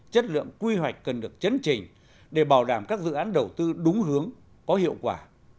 chất lượng quy hoạch cần được chấn chỉnh để bảo đảm các dự án đầu tư đúng hướng có hiệu quả